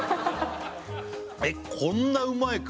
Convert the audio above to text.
えっこんなうまいか？